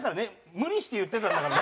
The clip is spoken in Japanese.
無理して言ってたんだからね。